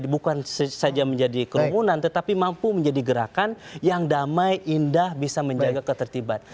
bukan saja menjadi kerumunan tetapi mampu menjadi gerakan yang damai indah bisa menjaga ketertiban